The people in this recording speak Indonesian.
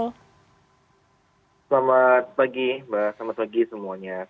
selamat pagi mbak selamat pagi semuanya